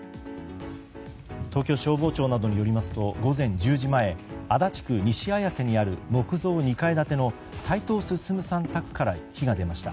東京消防庁などによりますと午前１０時前足立区西綾瀬にある木造２階建ての齋藤進さん宅から火が出ました。